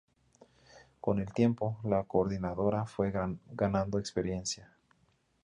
Con el tiempo, la coordinadora fue ganando experiencia.